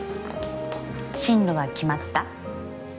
進路は決まった？